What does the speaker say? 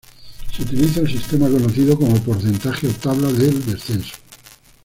Se utiliza el sistema conocido como porcentaje o tabla del descenso.